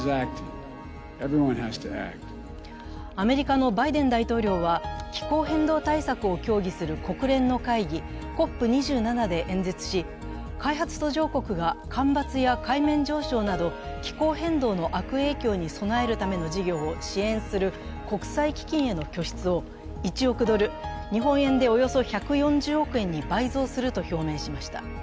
アメリカのバイデン大統領は気候変動対策を協議する国連の会議、ＣＯＰ２７で演説し開発途上国が干ばつや海面上昇など気候変動の悪影響に備えるための事業を支援する国際基金への拠出を１億ドル、日本円でおよそ１４０億円に倍増すると表明しました。